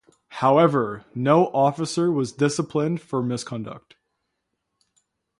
However, no officer was disciplined for misconduct.